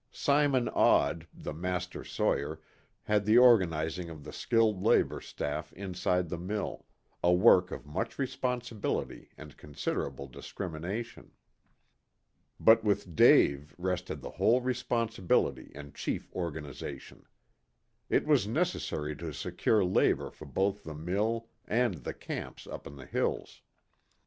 Simon Odd, the master sawyer, had the organizing of the skilled labor staff inside the mill, a work of much responsibility and considerable discrimination. But with Dave rested the whole responsibility and chief organization. It was necessary to secure labor for both the mill and the camps up in the hills.